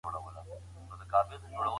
ستا نوم يې واخيست او له دره و ووت